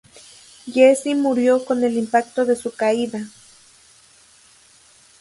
Geese murió con el impacto de su caída.